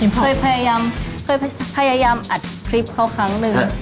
เคยพยายามอัดคลิปเขาครั้งหนึ่ง